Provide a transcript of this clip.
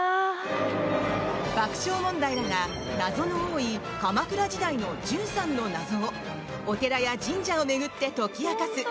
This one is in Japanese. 爆笑問題らが謎の多い鎌倉時代の１３の謎をお寺や神社を巡って解き明かす